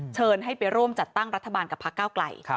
เชิญให้ไปร่วมจัดตั้งรัฐบาลกับพักเก้าไกล